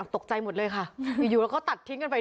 วิทยาลัยศาสตร์อัศวินตรี